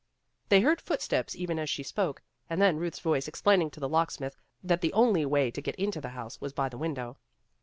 " They heard footsteps even as she spoke, and then Ruth's voice explaining to the locksmith that the only way to get into the house was by the window.